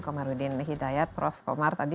komarudin hidayat prof komar tadi